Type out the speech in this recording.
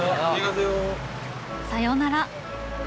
さようなら。